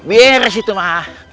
beres itu mah